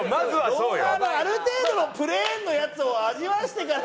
『ロンハー』のある程度のプレーンのやつを味わわせてから。